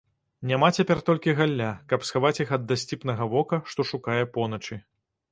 Няма цяпер толькі галля, каб схаваць іх ад дасціпнага вока, што шукае поначы.